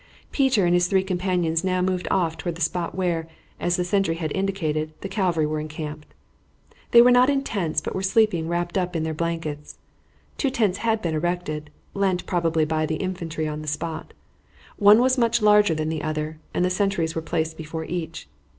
Peter and his three companions now moved off toward the spot where, as the sentry had indicated, the cavalry were encamped. They were not in tents, but were sleeping wrapped up in their blankets. Two tents had been erected, lent probably by the infantry on the spot. One was much larger than the other, and sentries were placed before each.